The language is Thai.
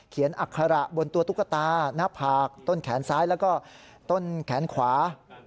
อัคระบนตัวตุ๊กตาหน้าผากต้นแขนซ้ายแล้วก็ต้นแขนขวา